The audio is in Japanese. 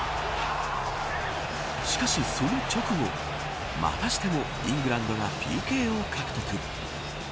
しかし、その直後またしてもイングランドがＰＫを獲得。